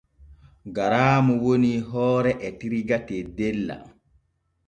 Garaamu woni hoore etirga teddella.